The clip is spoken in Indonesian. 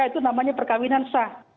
itu namanya perkawinan sah